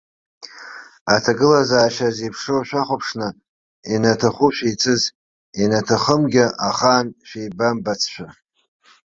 Аҭагылазаашьа зеиԥшроу шәахәаԥшны ианаҭаху шәеицыз, ианаҭахымгьы ахаан шәеибамбацшәа.